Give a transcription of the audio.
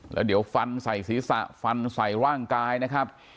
แล้วเดี๋ยวฟันใส่ศีรษะฟันใส่ร่างกายนะครับ